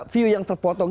view yang terpotong